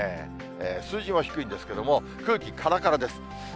数字も低いんですけど、空気からからです。